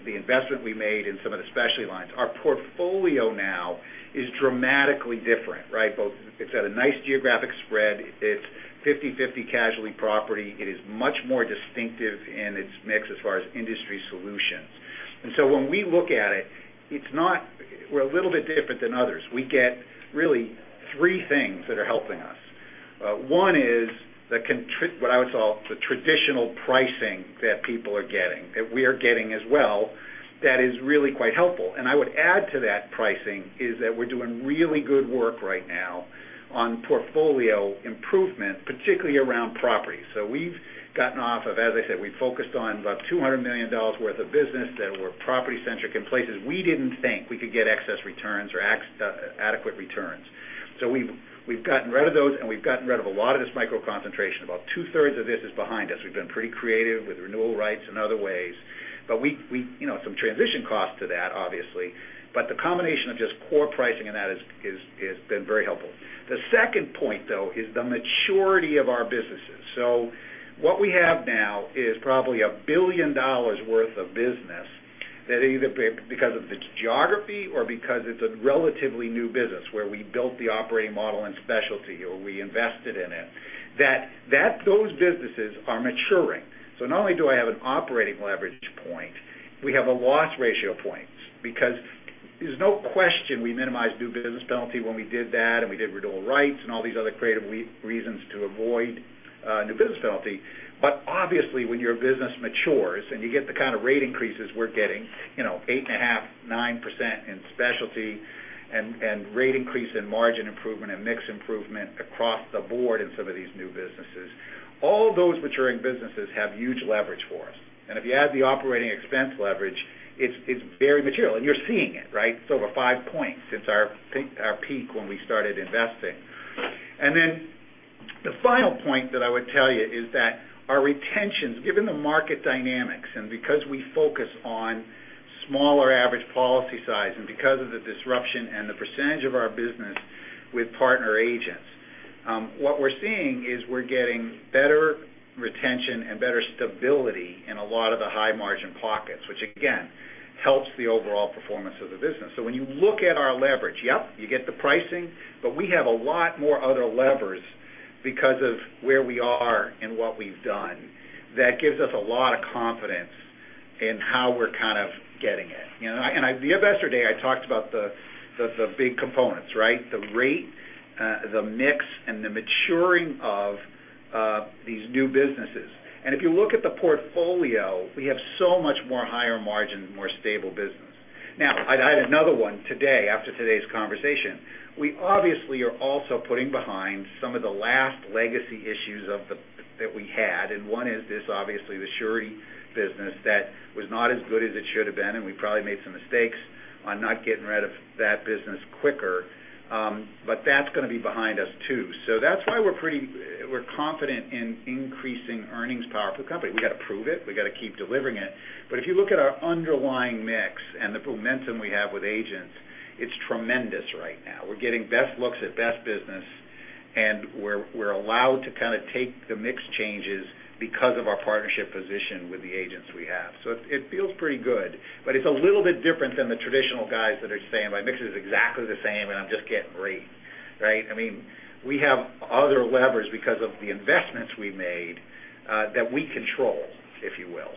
the investment we made in some of the specialty lines. Our portfolio now is dramatically different. It's got a nice geographic spread. It's 50/50 casualty property. It is much more distinctive in its mix as far as industry solutions. When we look at it, we're a little bit different than others. We get really three things that are helping us. One is what I would call the traditional pricing that people are getting, that we are getting as well, that is really quite helpful. I would add to that pricing is that we're doing really good work right now on portfolio improvement, particularly around property. We've gotten off of, as I said, we focused on about $200 million worth of business that were property centric in places we didn't think we could get excess returns or adequate returns. We've gotten rid of those, and we've gotten rid of a lot of this micro concentration. About two-thirds of this is behind us. We've been pretty creative with renewal rights and other ways. Some transition costs to that, obviously. The combination of just core pricing and that has been very helpful. The second point, though, is the maturity of our businesses. What we have now is probably $1 billion worth of business that either because of its geography or because it's a relatively new business where we built the operating model and specialty, or we invested in it, that those businesses are maturing. Not only do I have an operating leverage point, we have a loss ratio points, because there's no question we minimize new business penalty when we did that, and we did renewal rights and all these other creative reasons to avoid new business penalty. Obviously, when your business matures and you get the kind of rate increases we're getting, 8.5%, 9% in specialty and rate increase in margin improvement and mix improvement across the board in some of these new businesses, all those maturing businesses have huge leverage for us. If you add the operating expense leverage, it's very material. You're seeing it. It's over 5 points since our peak when we started investing. The final point that I would tell you is that our retentions, given the market dynamics and because we focus on smaller average policy size and because of the disruption and the percentage of our business with partner agents, what we're seeing is we're getting better retention and better stability in a lot of the high margin pockets, which again, helps the overall performance of the business. When you look at our leverage, yep, you get the pricing, we have a lot more other levers because of where we are and what we've done. That gives us a lot of confidence in how we're kind of getting it. The other day, I talked about the big components. The rate, the mix, and the maturing of these new businesses. If you look at the portfolio, we have so much more higher margin, more stable business. Now, I'd add another one today, after today's conversation. We obviously are also putting behind some of the last legacy issues that we had, and one is this, obviously, the surety business that was not as good as it should have been, and we probably made some mistakes on not getting rid of that business quicker. That's going to be behind us, too. That's why we're confident in increasing earnings power for the company. We've got to prove it. We've got to keep delivering it. If you look at our underlying mix and the momentum we have with agents, it's tremendous right now. We're getting best looks at best business, and we're allowed to kind of take the mix changes because of our partnership position with the agents we have. It feels pretty good, but it's a little bit different than the traditional guys that are saying, "My mix is exactly the same, and I'm just getting rate." I mean, we have other levers because of the investments we made that we control, if you will.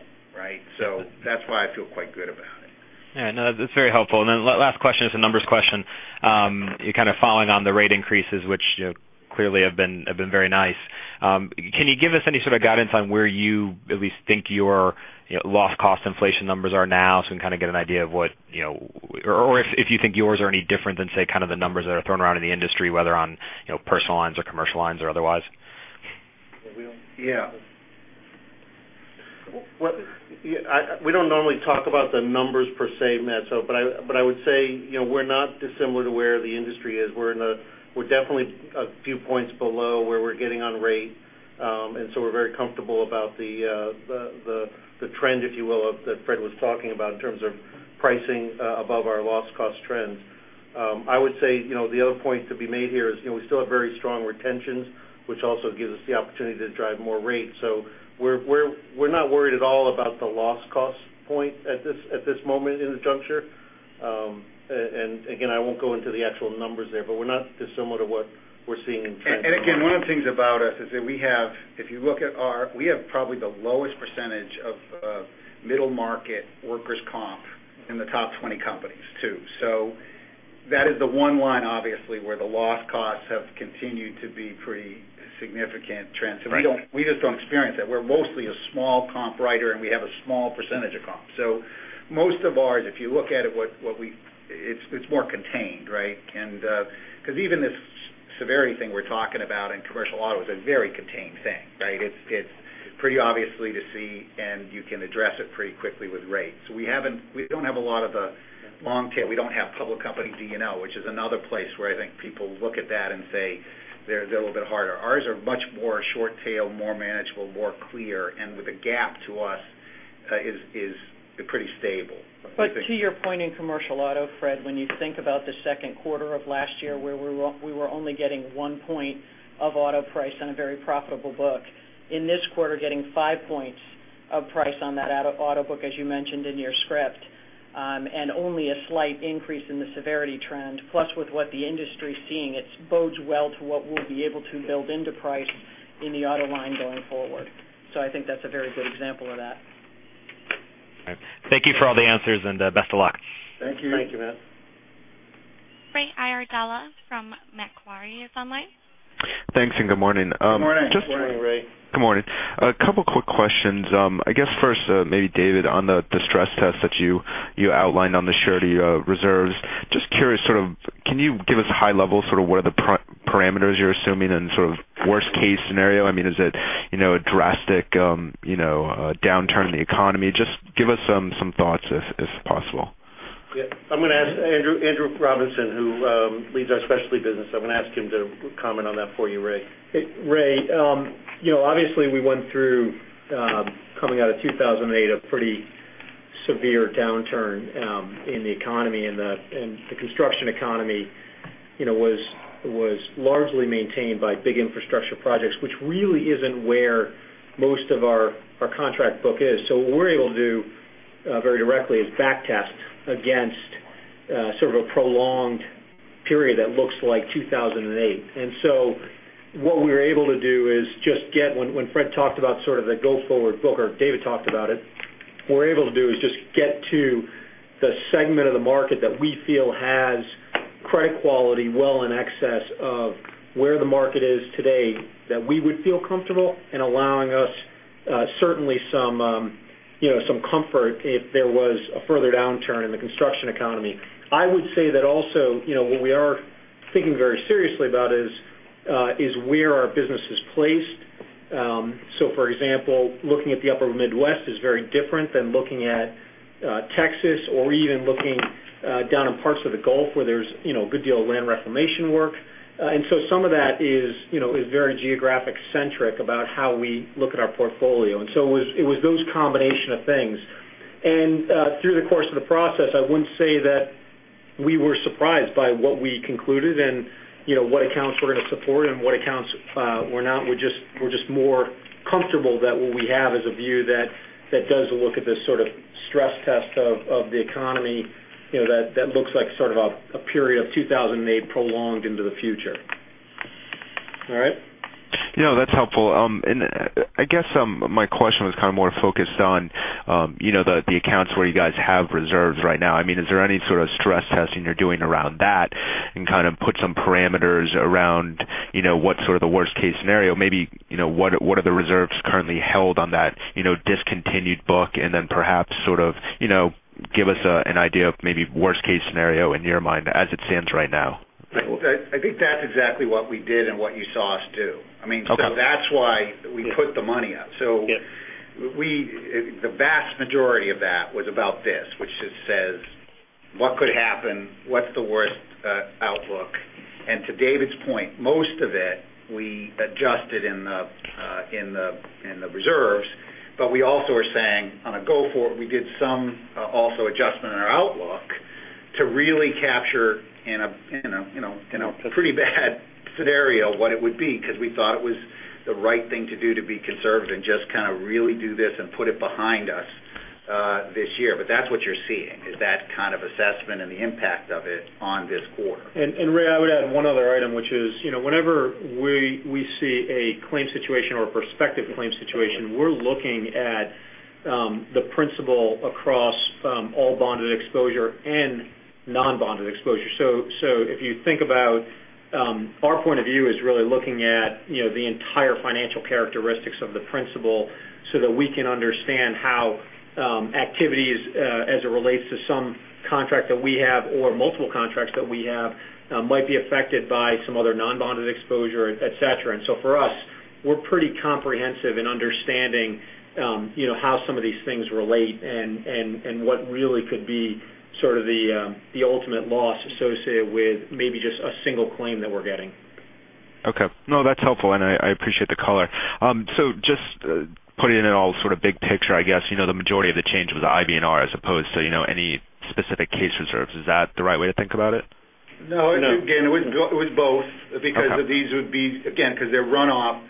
That's why I feel quite good about it. That's very helpful. Last question is a numbers question. You're kind of following on the rate increases, which clearly have been very nice. Can you give us any sort of guidance on where you at least think your loss cost inflation numbers are now so we can kind of get an idea of what, or if you think yours are any different than, say, kind of the numbers that are thrown around in the industry, whether on personal lines or commercial lines or otherwise? We don't normally talk about the numbers per se, Matt. I would say we're not dissimilar to where the industry is. We're definitely a few points below where we're getting on rate. We're very comfortable about the trend, if you will, that Fred was talking about in terms of pricing above our loss cost trends. I would say the other point to be made here is we still have very strong retentions, which also gives us the opportunity to drive more rate. We're not worried at all about the loss cost point at this moment in the juncture. Again, I won't go into the actual numbers there, but we're not dissimilar to what we're seeing in trends. Again, one of the things about us is that we have probably the lowest percentage of middle market workers' comp in the top 20 companies, too. That is the one line, obviously, where the loss costs have continued to be pretty significant trends. Right. We just don't experience it. We're mostly a small workers' compensation writer, and we have a small percentage of workers' compensation. Most of ours, if you look at it's more contained. Even this severity thing we're talking about in commercial auto is a very contained thing. It's pretty obvious to see, and you can address it pretty quickly with rates. We don't have a lot of the long tail. We don't have public company D&O, which is another place where I think people look at that and say they're a little bit harder. Ours are much more short tail, more manageable, more clear, and with a GAAP to us is pretty stable. To your point in commercial auto, Fred, when you think about the second quarter of last year, where we were only getting one point of auto price on a very profitable book, in this quarter, getting five points of price on that auto book, as you mentioned in your script, and only a slight increase in the severity trend, plus with what the industry is seeing, it bodes well to what we'll be able to build into price in the auto line going forward. I think that's a very good example of that. All right. Thank you for all the answers, and best of luck. Thank you. Thank you, Matt. Ray Iardella from Macquarie is online. Thanks, good morning. Good morning. Good morning, Ray. Good morning. A couple quick questions. I guess first, maybe David, on the stress test that you outlined on the surety reserves. Just curious, can you give us a high level of what are the parameters you're assuming in worst case scenario? I mean, is it a drastic downturn in the economy? Just give us some thoughts if possible. Yeah. I'm going to ask Andrew Robinson, who leads our specialty business, I'm going to ask him to comment on that for you, Ray. Ray, obviously we went through, coming out of 2008, a pretty severe downturn in the economy, and the construction economy was largely maintained by big infrastructure projects, which really isn't where most of our contract book is. What we're able to do very directly is back test against sort of a prolonged period that looks like 2008. What we were able to do is just get, when Fred talked about sort of the go forward book, or David talked about it, what we're able to do is just get to the segment of the market that we feel has credit quality well in excess of where the market is today, that we would feel comfortable in allowing us certainly some comfort if there was a further downturn in the construction economy. I would say that also, what we are thinking very seriously about is where our business is placed. For example, looking at the upper Midwest is very different than looking at Texas or even looking down in parts of the Gulf where there's a good deal of land reclamation work. Some of that is very geographic centric about how we look at our portfolio. It was those combination of things. Through the course of the process, I wouldn't say that we were surprised by what we concluded and what accounts we're going to support and what accounts were not. We're just more comfortable that what we have is a view that does look at this sort of stress test of the economy, that looks like sort of a period of 2008 prolonged into the future. All right. Yeah, that's helpful. I guess my question was kind of more focused on the accounts where you guys have reserves right now. Is there any sort of stress testing you're doing around that and kind of put some parameters around what's sort of the worst case scenario, maybe what are the reserves currently held on that discontinued book, and then perhaps sort of give us an idea of maybe worst case scenario in your mind as it stands right now? I think that's exactly what we did and what you saw us do. Okay. That's why we put the money up. Yeah. The vast majority of that was about this, which just says, what could happen? What's the worst outlook? To David's point, most of it, we adjusted in the reserves, we also are saying on a go forward, we did some also adjustment in our outlook to really capture in a pretty bad scenario what it would be, because we thought it was the right thing to do to be conservative and just kind of really do this and put it behind us this year. That's what you're seeing, is that kind of assessment and the impact of it on this quarter. Ray, I would add one other item, which is, whenever we see a claim situation or a prospective claim situation, we're looking at the principal across all bonded exposure and non-bonded exposure. If you think about our point of view is really looking at the entire financial characteristics of the principal so that we can understand how activities, as it relates to some contract that we have or multiple contracts that we have, might be affected by some other non-bonded exposure, et cetera. For us, we're pretty comprehensive in understanding how some of these things relate and what really could be sort of the ultimate loss associated with maybe just a single claim that we're getting. Okay. No, that's helpful, and I appreciate the color. Just putting it in all sort of big picture, I guess, the majority of the change was IBNR as opposed to any specific case reserves. Is that the right way to think about it? No, again, it was both because these would be, again, because they're runoff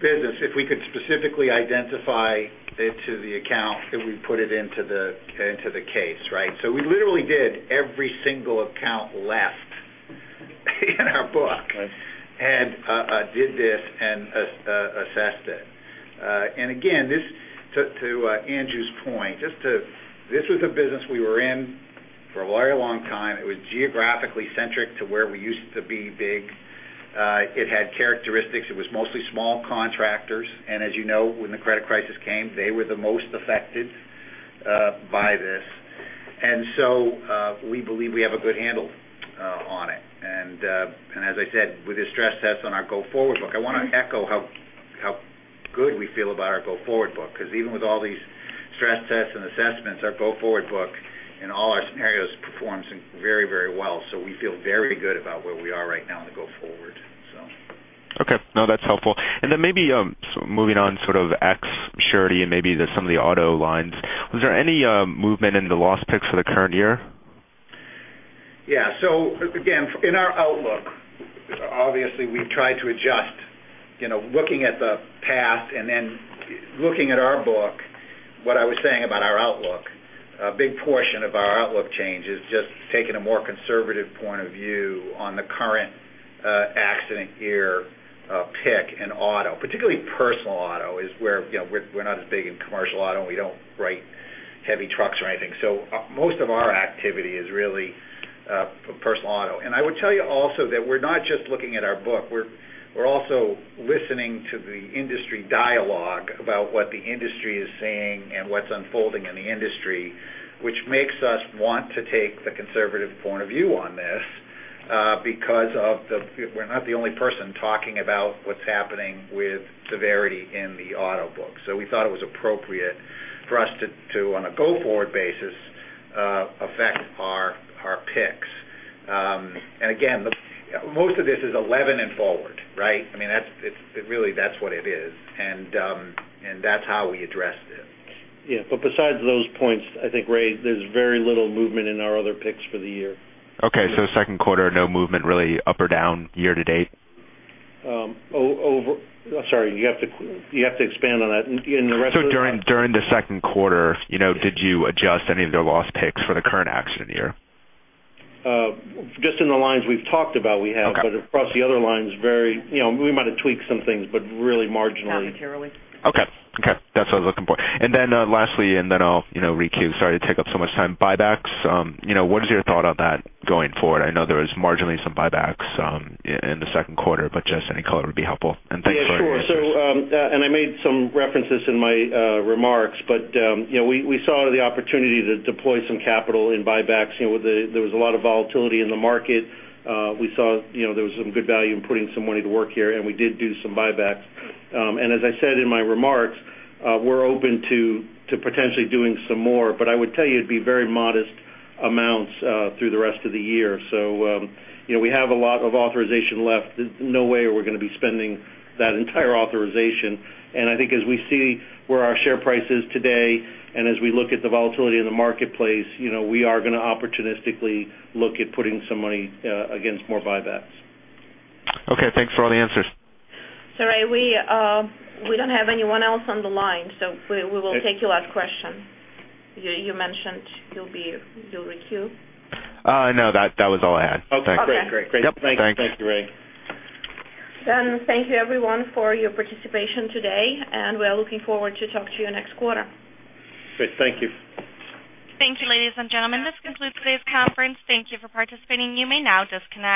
business. If we could specifically identify it to the account, then we put it into the case, right? We literally did every single account left in our book and did this and assessed it. Again, to Andrew's point, this was a business we were in for a very long time. It was geographically centric to where we used to be big. It had characteristics. It was mostly small contractors. As you know, when the credit crisis came, they were the most affected by this. We believe we have a good handle on it. As I said, with the stress tests on our go forward book, I want to echo how good we feel about our go forward book, because even with all these stress tests and assessments, our go forward book in all our scenarios performs very, very well. We feel very good about where we are right now in the go forward. Okay. No, that's helpful. Then maybe moving on sort of ex surety and maybe some of the auto lines, was there any movement in the loss picks for the current year? Yeah. Again, in our outlook, obviously we've tried to adjust, looking at the past and then looking at our book, what I was saying about our outlook, a big portion of our outlook change is just taking a more conservative point of view on the current accident year pick in auto. Particularly personal auto. We're not as big in commercial auto, and we don't write heavy trucks or anything. Most of our activity is really personal auto. I would tell you also that we're not just looking at our book, we're also listening to the industry dialogue about what the industry is saying and what's unfolding in the industry, which makes us want to take the conservative point of view on this because we're not the only person talking about what's happening with severity in the auto book. We thought it was appropriate for us to, on a go forward basis, affect our picks. Again, most of this is 2011 and forward, right? Really that's what it is. That's how we addressed it. Yeah. Besides those points, I think, Ray, there's very little movement in our other picks for the year. Okay. Second quarter, no movement really up or down year to date? Sorry, you have to expand on that. During the second quarter, did you adjust any of the loss picks for the current accident year? Just in the lines we've talked about we have. Okay. Across the other lines, we might have tweaked some things, but really marginally. Marginally. Okay. That's what I was looking for. Lastly, I'll requeue. Sorry to take up so much time. Buybacks, what is your thought on that going forward? I know there was marginally some buybacks in the second quarter, but just any color would be helpful. Thanks for all your answers. Yeah, sure. I made some references in my remarks, but we saw the opportunity to deploy some capital in buybacks. There was a lot of volatility in the market. We saw there was some good value in putting some money to work here, and we did do some buybacks. As I said in my remarks, we're open to potentially doing some more, but I would tell you it'd be very modest amounts through the rest of the year. We have a lot of authorization left. No way are we going to be spending that entire authorization. I think as we see where our share price is today, and as we look at the volatility in the marketplace, we are going to opportunistically look at putting some money against more buybacks. Okay, thanks for all the answers. Ray, we don't have anyone else on the line, so we will take your last question. You mentioned you'll requeue. No, that was all I had. Okay. Great. Thank you, Ray. Thank you everyone for your participation today, and we are looking forward to talk to you next quarter. Great. Thank you. Thank you, ladies and gentlemen. This concludes today's conference. Thank you for participating. You may now disconnect.